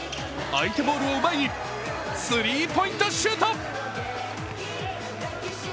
相手ボールを奪い、３ポイントシュート。